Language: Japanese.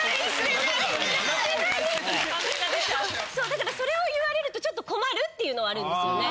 そうだからそれを言われるとちょっと困るっていうのはあるんですよね。